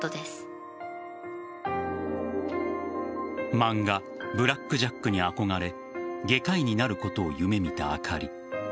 漫画「ブラック・ジャック」に憧れ外科医になることを夢見たあかり。